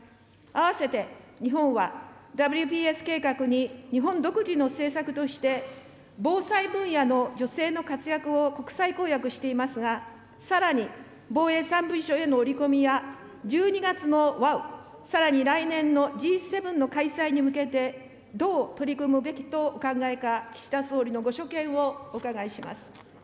合わせて、日本はＷＰＳ計画に日本独自の政策として、防災分野の女性の活躍を国際公約していますが、さらに防衛３文書への折り込みや１２月のＷＡＷ！、さらに来年のＧ７の開催に向けて、どう取り組むべきとお考えか、岸田総理のご所見をお伺いします。